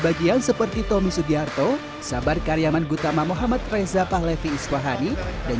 bagian seperti tommy sugiarto sabar karyaman gutama muhammad reza pahlevi iswahari dan